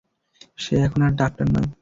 সে এখন আর ডাক্তার নয়।